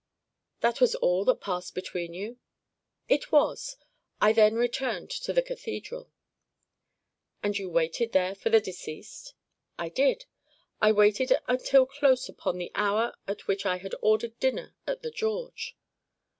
"That was all that passed between you?" "It was. I then returned to the cathedral." "And you waited there for the deceased?" "I did. I waited until close upon the hour at which I had ordered dinner at the George."